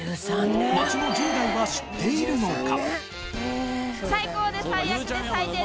街の１０代は知っているのか？